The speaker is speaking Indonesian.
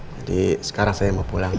jadi sekarang saya mau pulang